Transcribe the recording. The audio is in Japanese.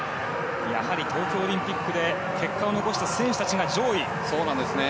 やはり東京オリンピックで結果を残した選手たちが上位。